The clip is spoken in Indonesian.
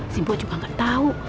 simbo juga gak tau